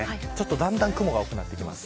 だんだん雲が大きくなっていきます。